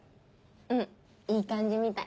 うんいい感じみたい。